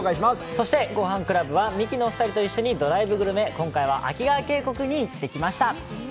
そして「ごはんクラブ」はミキのお二人と一緒に今回は秋川渓谷に行ってきました。